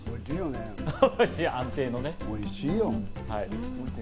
おいしいよね。